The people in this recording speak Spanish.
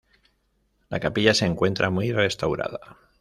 La capilla se encuentra muy restaurada.